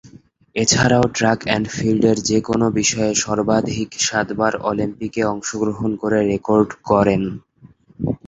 এছাড়াও track and ফিল্ডের যে-কোন বিষয়ে সর্বাধিক সাতবার অলিম্পিকে অংশগ্রহণ করে রেকর্ড গড়েন।